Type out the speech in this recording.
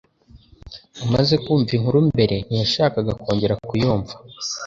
Amaze kumva inkuru mbere, ntiyashakaga kongera kuyumva